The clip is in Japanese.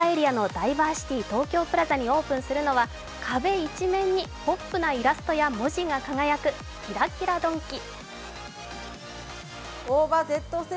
今日、お台場エリアのダイバーシティ東京プラザにオープンするのは壁一面にポップなイラストや文字が輝くキラキラドンキ。